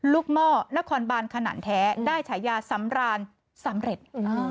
หม้อนครบานขนาดแท้ได้ฉายาสำราญสำเร็จ